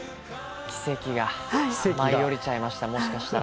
奇跡が舞い降りちゃいました、もしかしたら。